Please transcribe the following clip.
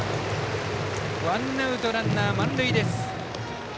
ワンアウト、ランナー満塁です。